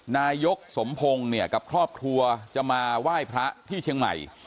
นายกสมพงศ์เนี่ยกับครอบครัวจะมาไหว้พระที่เชียงใหม่